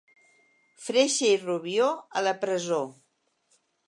Freixa i Rubió, a la presó.